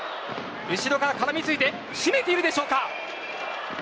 後ろからからみついて締めているでしょうか。